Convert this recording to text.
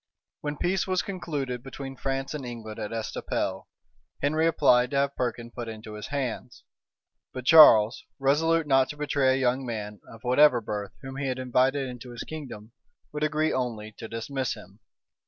* Polyd Virg. p. 589. When peace was concluded between France and England at Estaples, Henry applied to have Perkin put into his hands; but Charles, resolute not to betray a young man, of whatever birth, whom he had invited into his kingdom, would agree only to dismiss him.